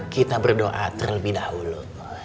kita berdoa terlebih dahulu